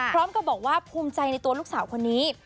พร้อมกับบอกว่าภูมิใจในตัวลูกสาวคนนี้